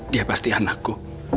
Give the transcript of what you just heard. dia pasti anakku